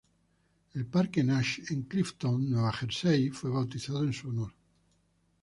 El "Parque Nash" en Clifton, Nueva Jersey fue bautizado en su honor.